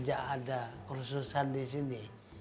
ada kursusan di sini